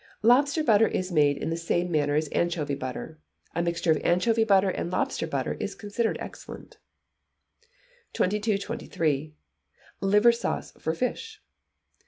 Lobster Butter is made in the same manner as anchovy butter. A mixture of anchovy butter and lobster butter is considered excellent. 2223. Liver Sauce for Fish.